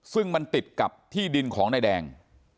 ซึ่งมันติดกับที่ดินของนายแดง